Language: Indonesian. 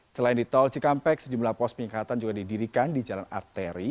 selain di tol cikampek sejumlah pos penyekatan juga didirikan di jalan arteri